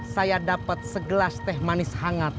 saya dapat segelas teh manis hangat